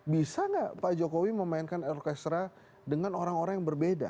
bisa nggak pak jokowi memainkan orkestra dengan orang orang yang berbeda